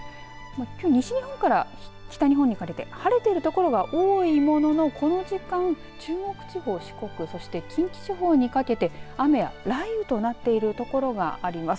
きょう西日本から北日本にかけて晴れている所が多いもののこの時間中国地方、四国そして近畿地方にかけて雨や雷雨となっている所があります。